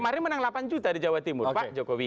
kemarin menang delapan juta di jawa timur pak jokowi